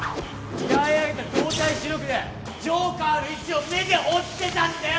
鍛え上げた動体視力でジョーカーの位置を目で追ってたんだよ！